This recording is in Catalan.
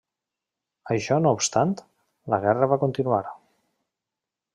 Això no obstant, la guerra va continuar.